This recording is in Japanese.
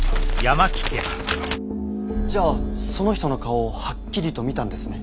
じゃあその人の顔をはっきりと見たんですね。